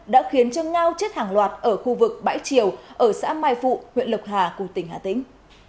đã khiến cho ngao chết hàng loạt ở khu vực bãi triều ở xã mai phụ huyện lộc hà của tỉnh hà tĩnh